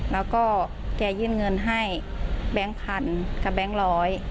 แล้วก็แกยื่นเงินให้แบงค์พันกับแบงค์ร้อย